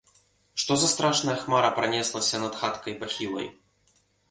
Што за страшная хмара пранеслася над хаткай пахілай?